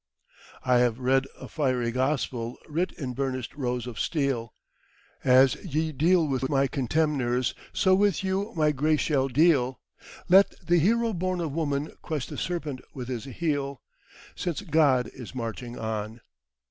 "I have read a fiery gospel writ in burnished rows of steel, 'As ye deal with My contemners, so with you My grace shall deal;' Let the Hero born of woman crush the serpent with His heel Since God is marching on.